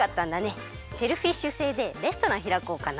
シェルフィッシュ星でレストランひらこうかな。